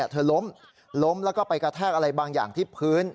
เธอล้มล้มแล้วก็ไปกระแทกอะไรบางอย่างที่พื้น